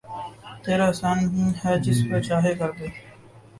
تیرا احسان ہے جس پر چاہے کردے